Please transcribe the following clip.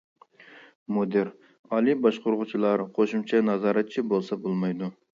مۇدىر، ئالىي باشقۇرغۇچىلار قوشۇمچە نازارەتچى بولسا بولمايدۇ.